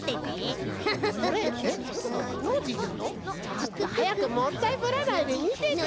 ちょっとはやくもったいぶらないでみせてよ！